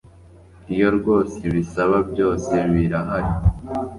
iyo rwose ibisaba byosebirahari